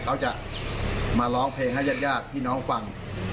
เขาจะมาร้องเพลงให้ญาติพี่น้องฟัง